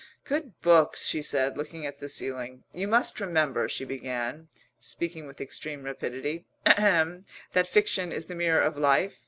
"Good books?" she said, looking at the ceiling. "You must remember," she began, speaking with extreme rapidity, "that fiction is the mirror of life.